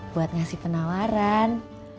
buat ngasih penawaran